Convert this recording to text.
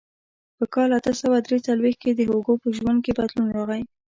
په کال اته سوه درې څلوېښت کې د هوګو په ژوند کې بدلون راغی.